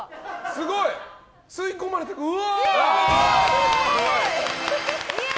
すごい吸い込まれてうわあ！